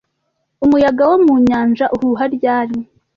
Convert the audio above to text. Umuyaga wo mu nyanja uhuha ryari